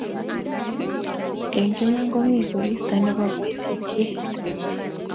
eng iman ko mi koristo nebo kaititiet